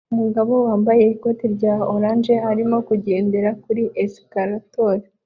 Umugabo wambaye ikoti rya orange arimo kugendera kuri escalator